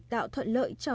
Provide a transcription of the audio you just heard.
tạo thuận lợi cho vi khuẩn